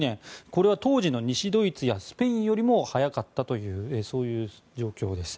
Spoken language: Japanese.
これは当時の西ドイツやスペインよりも早かったという状況です。